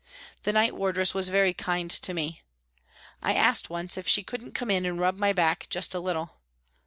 The night wardress was very kind to me. I asked once if she couldn't come in and rub my back just a little.